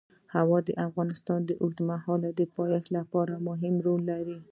هوا د افغانستان د اوږدمهاله پایښت لپاره مهم رول لري.